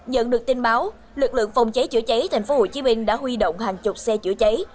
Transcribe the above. nhận được tin báo lực lượng phòng cháy chữa cháy tp hcm đã huy động hàng chục xe chữa cháy